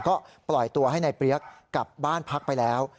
ก็ปล่อยตัวให้นายเปี๊ยกกลับบ้านพักไปแล้ว